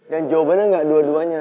dan jawabannya gak dua duanya